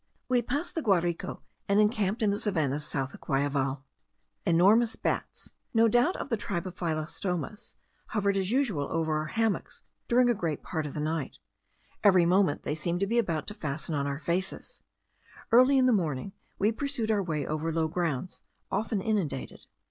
We passed the Guarico, and encamped in the savannahs south of Guayaval. Enormous bats, no doubt of the tribe of Phyllostomas, hovered as usual over our hammocks during a great part of the night. Every moment they seemed to be about to fasten on our faces. Early in the morning we pursued our way over low grounds, often inundated.